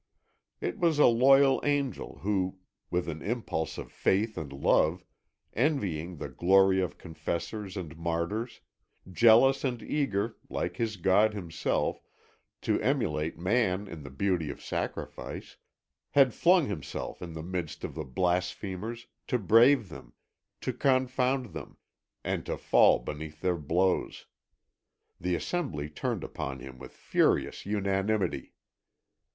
It was a loyal angel who, with an impulse of faith and love, envying the glory of confessors and martyrs, jealous and eager, like his God himself, to emulate man in the beauty of sacrifice, had flung himself in the midst of the blasphemers, to brave them, to confound them, and to fall beneath their blows. The assembly turned upon him with furious unanimity.